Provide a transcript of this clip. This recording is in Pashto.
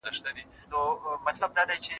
انلاين سوداګري پېر او پلور اسانه کوي.